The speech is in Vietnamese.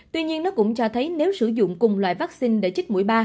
tuy nhiên nó cũng cho thấy nếu sử dụng cùng loại vaccine để chích mũi ba